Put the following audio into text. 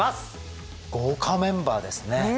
豪華メンバーですね。